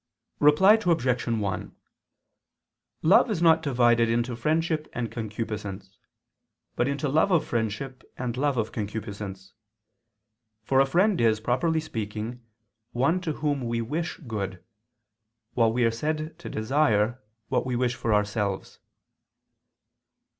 Reply Obj. 1: Love is not divided into friendship and concupiscence, but into love of friendship, and love of concupiscence. For a friend is, properly speaking, one to whom we wish good: while we are said to desire, what we wish for ourselves.